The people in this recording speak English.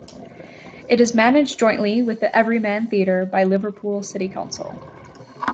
It is managed jointly with the Everyman Theatre by Liverpool City Council.